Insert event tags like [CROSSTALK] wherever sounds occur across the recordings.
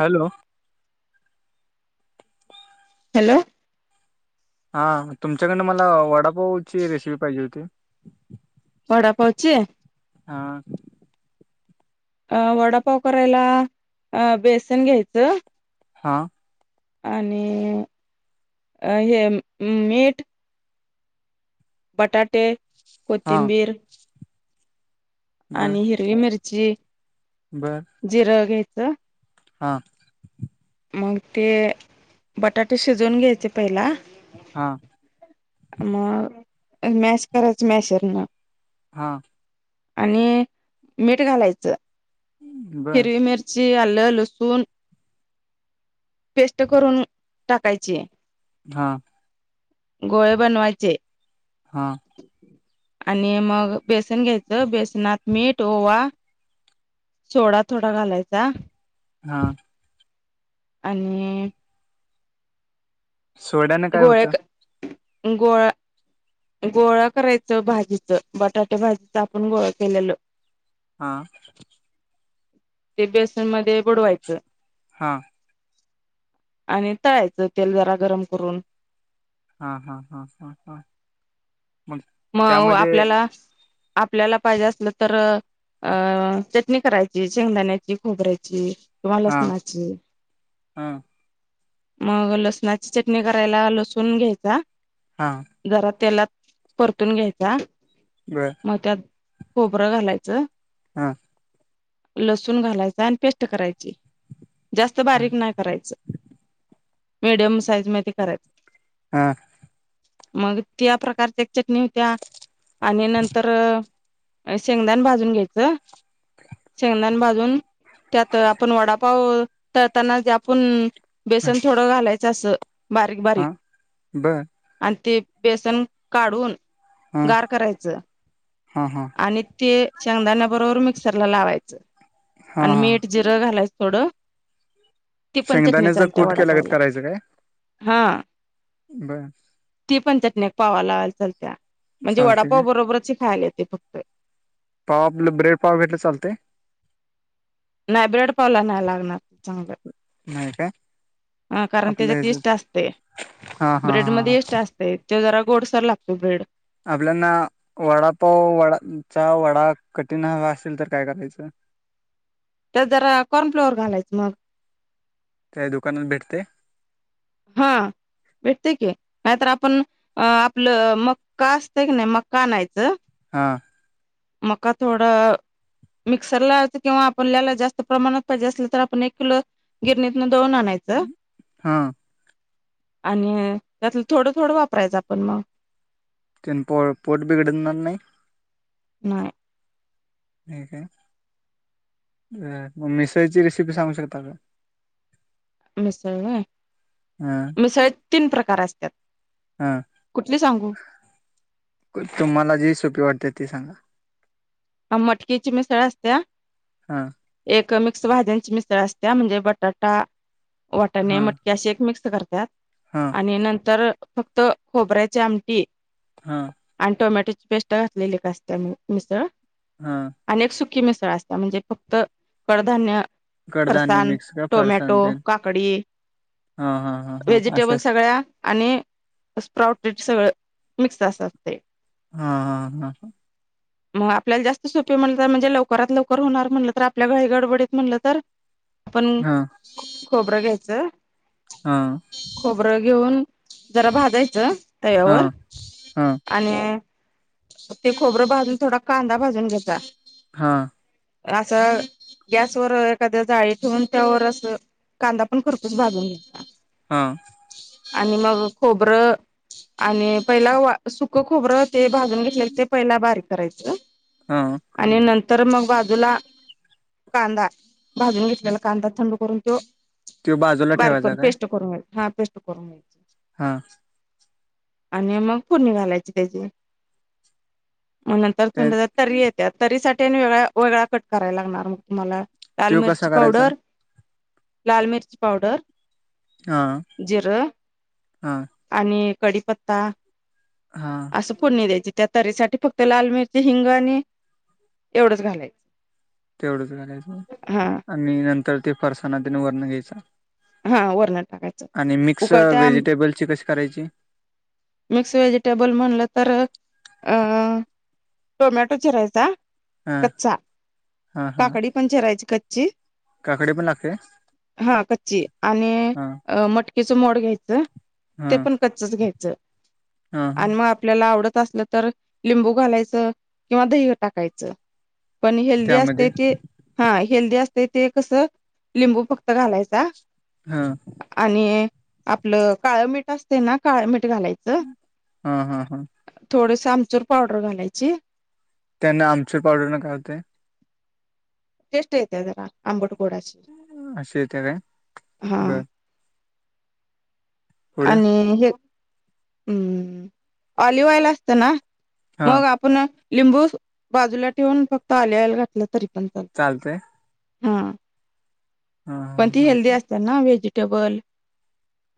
Hello hello हा तुमच्याकडन मला वडापाव ची रेसिपी पाहिजे होती पढा पाचे हा अ वडापा करायला अ बेसन घ्यायचं हा आणि अ हे मीठ बाटाटे हा कोथिमबीर बर आणि हिरवी मिरची बर जिरं घ्यायचं हा मग ते बटाटे शिजवून घ्यायचे पहिला हा मग मॅस खराच मॅसर ना हा आणि मीठ घालायचं बर हिरवी मिरची आलं लसण पेस्ट करून टाकायची हा गोळे बनवायचे हा आणि मग बेसन घ्यायचं बेसनात मीठ ओवा सोडा थोडा घालायचा हा आणि सोळ्याने काय गोळ्या होतं गोळा गोळा करायचं भाजीच बटाट्या भाजीच आपण गोळा केलेलं हा ते बेसन मध्ये बुडवायचं हां आणि तळायचं तेल जरा गरम करून हा हा हा हा हा मग मग त्यामध्ये आपल्याला आपल्याला पाहिजे असलं तर अं चटणी करायची शेंगदाण्याची खोबऱ्यायची कम्हाला हा सुनाची हा मग लसणाची चटणी करायला लसून घ्यायचा हा जरा त्याला परतून घ्यायचा बर मग त्यात खोबरं घालायचं हम लसूण घालायचा आणि पेस्ट करायची जास्त हा बारीक नाही करायचं मडियम साईज [INAUDIBLE] चटणी होत्या आणि नंतर अ शेंगदाान भाजून घ्यायचं, शेंगदान भाजून त्यात आपण वडापाव तळताना आपण बेसन थोडं घालायचं असं बारीक हा बारीक बर आणि ते बेसन काढून हा गार करायचं हा हा आणि ते शेंगदाण्या बरोबर मिक्सर ला लावायचं. हा आणि हा मीठ, जिरं घालायचं थोडं. ती पण चटणी शेंगदाण्याचं चालत्या, कूट केल्यागत वडापावला हा. बरं. ती पण चटण्या पावा लाय चालतेय म्हणजे चालते काय वडापाव बरोबरच ह खायला येते फक्त. पाव आपलं ब्रेड पाव घेतलं चालतय? नाही ब्रड पावला नाही लागणार चांगलं. नाही काय? हा कारण आपलं त्याच्यात ह इष्ट असते हा हा ब्रेड हा मध्ये इष्ट असते. ते जरा गोड सर लागतो बेड. आपल्याना वडापाव वडाचा वडा कठीण हवा असेल तर काय करायचं? तर जरा कॉर्न फ्लॉवर घालायचं मगं. त्या दुकानात भेटतय? हा भेटते की. नाहीतर आपण आपलं मक्का असतं की नाही? मक्का आणायचं हा. मक्का‌ थोडा मिक्सर ला किंवा आपण आपलला जास्त प्रमाणात पाहिजे असल तर, आपण एक किलो गिरणी न दळून आणायचं. हा आणि त्यातलं थोडं थोडं वापरायचं आपण मगं. तिन प पोट बिघडणार नाही? नाही. ठीक आहे. मगं मिसळचे रेसिपी सांगू शकता का? मिसळ होय. हा मिसळ तीन प्रकार असतात. हा कुठली सांगू तुम्हाला, जी सोपी वाटते. ते सांगा? मटकीची मिसळ असत्या. हा. एक मिक्स भाज्यांची मिसळ असत्या म्हणजे बटाटा, वाटाणे, हा मटके असे एक मिक्स करतात. हा आणि नंतर फक्त खोबऱ्याचे आमटी हा आणि टोमॅटो पेस्टा घातलेली असत्या मगं मिसळ. हा. आणि एक सुकी मिसळ असत्या. म्हणजे फक्त कडधान्य कडधान्य फरसान, मिक्स का फरसाण टोमॅटो, तेन काकडी हा हा हा हा असे व्हेजिटेबल असत सगळ्यां आणि स्प्राउट सगळं मिक्स असत ते. हा हा हा हा. मगं आपल्याला जास्त सोपे म्हणलं तर, म्हणजे लवकरात लवकर होणार म्हटलं तर आपल्या गही गडबडीत म्हणलं तर, आपण हा खोबरं घ्यायचं हा खोबर घेऊन जरा भाजायचं हा तवावर हा आणि ते खोबरं भाजून थोडा कांदा भाजून घेयचा हा. असं गॅसवर एखाद्या जाळी ठेवून त्यावर अस कांदा पण खरपूच भाजून घेत हा. आणि मग खोबरं आणि पहिला सुक खोबरं ते भाजून घेतलेल ते पहिल बारीक करायच हा आणि न तर मग बाजूला कांदा भाजून घेतलेला कांदा थंड करून तो त्यो बाजूला बारीक करून ठेवायचा काय पेस्ट करून तो हा पेस्ट करून घ्यायचा. हा. आणि मग फोडणी घालायची त्याची मग नंतर ते थंड तरी येत्यात तरीसाठी आणि वेगळा वेगळा कट करावा लागणार मग तुम्हाला. लाल त्यो कसा मिर्ची करायचा पावडर, लाल मिर्ची पावडर, हा जिरं हा आणि कडीपत्ता. हा असं फोडणी द्यायची त्या तरीसाठी फक्त लाल मिरची हिंग. आणि एवढंच घालायचं. तेवढंच घालायचं हा आणि नंतर ते फरसानान वरण घ्यायच. हा वरण टाकायचं आणि मिक्स उकळत्या आम व्हेजिटेबलची करायची? मिक्स व्हेजिटेबल म्हणलं तर अ अ टोमॅटो चिरायचा. हा कच्चा काकडी पण चिरायची कच्ची काकडी पण लागते? जी आणि हा मटकीचं मोड घ्यायचं. हा ते पण कच्चच घ्यायचं हा अन मग आपल्याला आवडत. असलं तर लिंबू घालायचं किंवा दहीला टाकायचं. पण हेल्दी त्यामध्ये असते ते हा हेल्दी असते ते कसं लिंबू फक्त घालायचा. हा आणि आपलं काळं मिठ असते ना काळ मिठ घालायच हा हा हा थोडस आमचूर पावडर घालायची. त्यांन आमचूर पावडर न काय होते? टेस्ट येत्या त्याला आंबट गोडाची असे येते काय हा. बर पुढे आणि हे अ हम ऑलिव्हऑइल असत ना. हा मग आपण ना लिंबू बाजूला ठेवून फक्त ऑलिव्ह ऑईल घातलं तरी पण चालत चालतेय. हा पण ती हा हेल्दी असतात ना व्हेजिटेबल.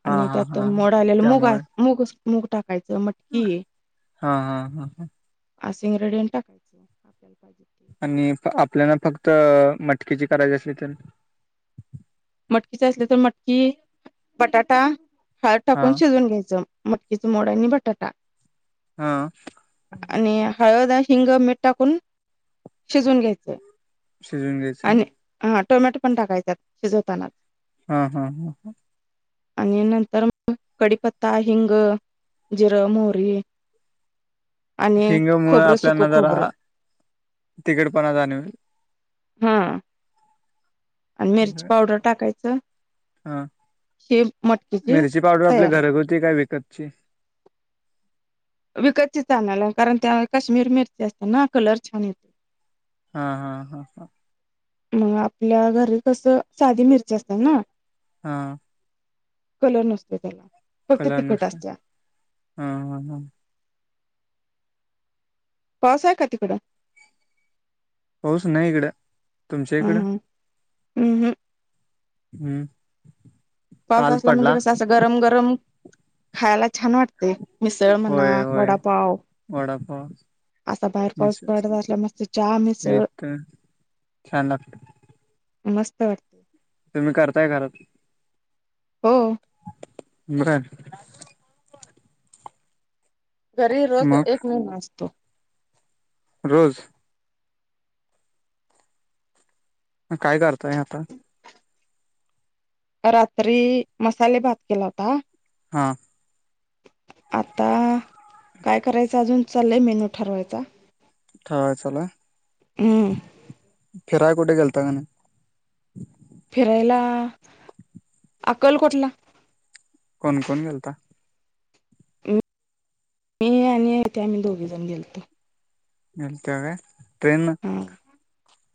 हा हा. तो हा मोड आलेलं मूग अ त्यामुळे मूगच मुग टाक. नाय तर हा मटकी घे हा हा ह आसिंग रंडीग टाक. आणि अ आपल्याला फक्त अ मटकेची करायची असली तर. मटकीचं असलं तर मटकी बटाटा हळद हा टाकून शिजवून घ्यायचं. मटकीच मोड आणि बटाटा. हा. आणि हळद हिंग मीठ टाकून शिजून घ्यायचंय. शिजवून घ्यायच. टोमॅटो पण टाकायचा शिजवतांना. ह ह. आणि नंतर कडीपत्ता, हिंग, जिर, मोहरी. आणि हिंग मूळ खोबरं सुकं आपल्यांना जरा खोबरं तिखटपणा जानवेल. हा. आणि मिरची पावडर टाकायचं. हा हे मटकीची मिरची पावडर आपली तयार घरगुती का विकत? चे [UNINTELLIGIBLE] विकतचीच आनाला कारण त्या काश्मीर मिरची असते ना कलर छान येतो हा हा हा ह मग आपल्या घरी कसं साधी मिरची असनार ना हा कलर नसतो त्याला फक्त कल तिखट नुसार असत हा ह ह पासाा कात कड होऊस नाही इकडं तुमच्या इकडं हम्म हम्म हम् हम्म पाऊस काल असला म्हणजे पडला कस असं गरम गरम खायला छान वाटते मिसळ म्हणा होय होय वडापाव वडापाव असा बाहेर पाऊस मिसळ पडत असला मस्त चहा मिसळ चछान लाख मस्त वाटते तुम्ही करताय खरात हो बर घरी रोज मग एक महिना असतो रोज ह काय करताय आता रात्री मसाले भात केला होता हा आता काय करायचं अजून चाललंय मेनू ठरवायचा हाय चला हम्म फिराय कुठे गेल ता फिरायला अक्कलकोटला कोण कोण गेलता मी आणि इथे आम्ही दोघी जण गेलतो हतेव ट्रेन हा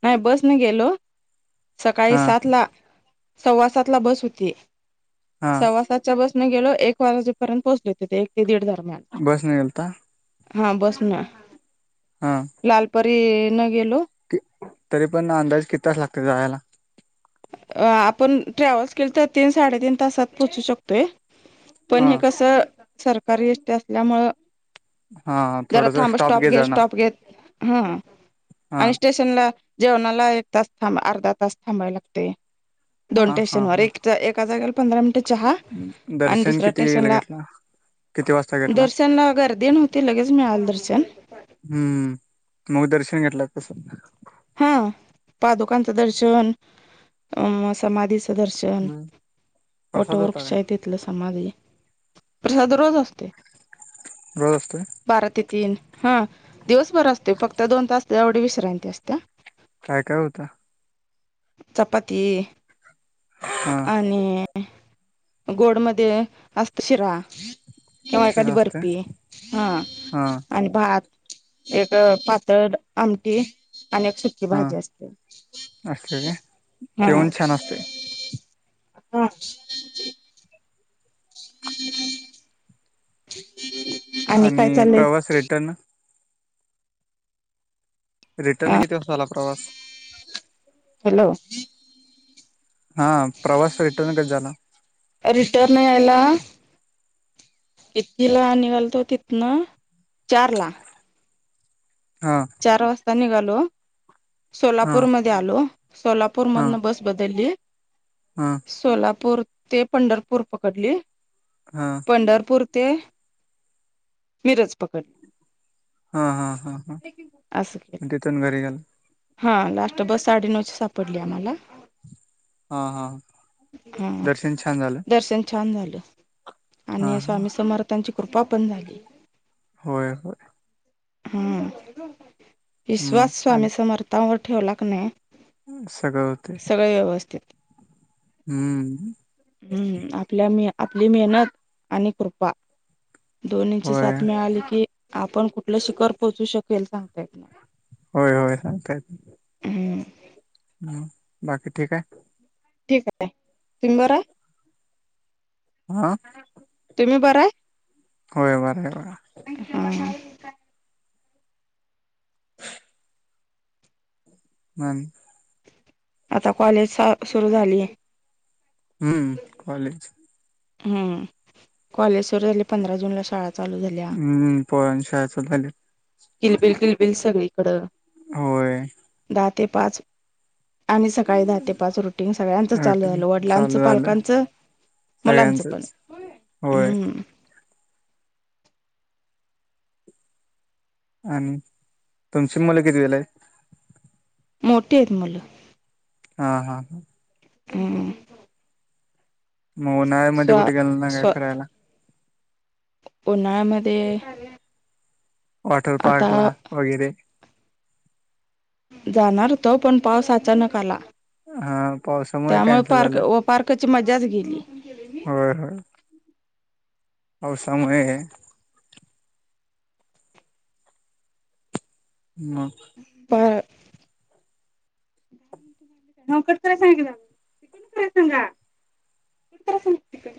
नाही बसने गेलो सकाळी हा सात ला स्वासातला बस होती हा सवासच्या बस गेलो एक वाजेपर्यंत पोचले हो एक तेीड बसन गलता हा बस ना लालपरी न गेलो तरी पण अंदाज कि तास लागत जायला अ आपण ट्रॅव्हल्स केले तर तीन साडेतीीन तासात पोहोचू शकतोय हा पण हे कसं सरकार यष्ट असल्यामुळं हा जरा थोडासा थांबा स्टॉप घे घेत जाणार स्टॉप घेत हा हा आणि स्टेशनला जेवणाला एक तास थांब अर्धा तास थांबायलाग ते दोन हा हा टेशन वर हा एक एका जागला पंधरा मिनिटे चहा आणि दर्शन दुसऱ्या किती वेळेला स्टेशनला घेतला किती वाजता घेतला दर्शनला गर्दी नव्हती लगेच मिळाल दर्शन अ हा पादुकांचं दर्शन अ समाधी सदर्शन मग प्रसाद होता काय वटवर्कशा आहे तथलं समाधी प्रसाद रोज असते रोज असतोय बारा ते तीन हा दिवसभर असतोय फक्त दोन तास तेवढ विश्रांती असते काय काय होत चपाती हा आणि गोड म असत शिरा किव्हा एखादी शिरा असतोय बर्फी हा हा आणि, भात एक पातळ आमटी, अनेक सुिककी हा भाजी असते. असतय काय हा, जेवण छान असतय [UNINTELLIGIBLE] ह [UNINTELLIGIBLE] आणि काय चालेय? प्रवास रिटर्न अ रिटर्न किती वाजता झाला प्रवास हॅलो [UNINTELLIGIBLE] हा प्रवास रिटर्न कधी झाला, रिटर्न इतकी ला निघालतो तिथन चार ला, हा चार वाजता निघालो हा सोलापूरमध्येध्ये आलो, सोलापूर हा हा मधून बस बदलली हा सोलापूर, ते पंढरपूर पकडली पंढरपूर ते मिरज पकडली. हा हा हा हा असं केलं तिथंऊन घरी गेला, हा लास्ट बस साडेनऊश सापडली आम्हाला, हा हा [UNINTELLIGIBLE] हा दर्शन छान झालं दर्शन छान झालं. हा आणि हा स्वामी समर्थांची कृपा पण झाली, होय होय. हम विश्वास मग स्वामी आणि समर्थांवर ठेवला क नाही. सगळं होते [UNINTELLIGIBLE] सगळे व्यवस्थित. हम्म हम्म आपल्या म आपली मेहनत आणि कृपा, दोन्हीची होय साथ मिळाली, की आपण कुठलं शिखर पोहोचू शकेल सांगतायत ना. हो हो सांगता येत नाही, हम्म ह बाकी ठीक आहे. ठीक आहे तुम्ही बरं, हा त्रे होय बर, हम म आणि काय, आता कॉलेज सुरु झालीय, हम्म कॉलेज, हम्म कॉलेज सुरु झाले पंधरा जून ला शाळा, चालू झाल्या हम्म पोरांची शाळा चालू झाली. किलबिल किलबिल सगळीकडं, होय. दहा ते पाच, आम्ही सकाळी दहा ते पाच रुटीन सगळ्यांचं चालू रुटीन झालो, वडिलांचं चालू झालं पालकांचं मुलांचं पण सगळ्यांचच होय. हम्म आणि तुमची मुलं किती गेले, मोठे आहेतेत मुलं, हा हा हा हम्, मग उन्हाळमध्येध्ये कुठे गेल ना काय फिरायला! उन्हाळा मध्येध्ये, वॉटर पार्क ला वगैरे, जाणार त पण पाऊस अचानक आला. हा पावसामुळे त्यामुळे कॅन्सल पार्क झालं पार्काची मजाच गेली, होय होय पावसा मुळे, म, बर नकत सांग त कोण कय सांगा कोणत सांगा तिकडे